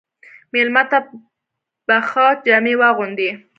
مېلمه ته به ښه جامې واغوندې.